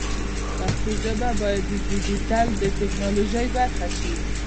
پښتو ژبه باید د ډیجیټل ټکنالوژۍ برخه شي.